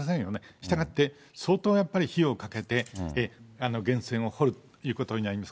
したがって、相当やっぱり費用かけて、源泉を掘るということになります。